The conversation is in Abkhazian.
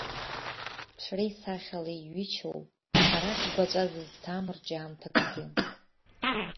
Ԥшреи-сахьалеи иҩычоу, арахь гәаҵәа зызҭам рҿиамҭакгьы.